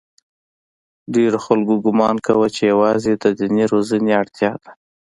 ډېرو خلکو ګومان کاوه چې یوازې د دیني روزنې اړتیا ده.